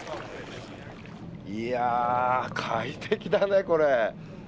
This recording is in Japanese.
いや快適だねこれ！